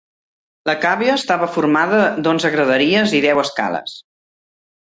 La càvea estava formada d'onze graderies i deu escales.